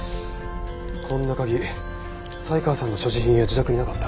こんな鍵才川さんの所持品や自宅になかった。